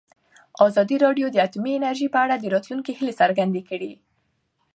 ازادي راډیو د اټومي انرژي په اړه د راتلونکي هیلې څرګندې کړې.